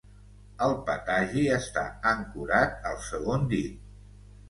El patagi està ancorat al segon dit.